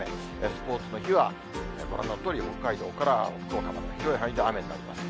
スポーツの日はご覧のとおり、北海道から福岡まで広い範囲で雨になります。